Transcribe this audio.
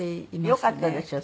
よかったですよ